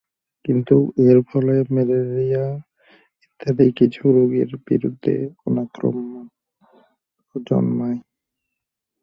কিন্তু এর ফলে ম্যালেরিয়া ইত্যাদি কিছু রোগের বিরুদ্ধে অনাক্রম্যতা জন্মায়।